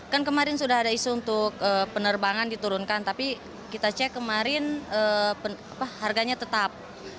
kan kemarin sudah ada isu untuk penerbangan diturunkan tapi kita cek kemarin harganya tetap